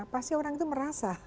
pasti orang itu merasa